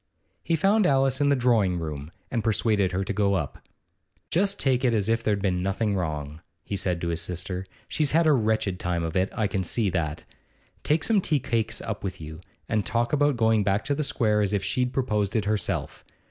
He found Alice in the drawing room, and persuaded her to go up. 'Just take it as if there 'd been nothing wrong,' he said to his sister. 'She's had a wretched time of it, I can see that. Take some tea cakes up with you, and talk about going back to the Square as if she'd proposed it herself.